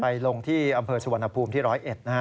อจมศวนภูมิที่๑๐๑นะฮะ